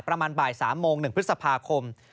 ประมาณบ่าย๓โมง๑พฤษภาคม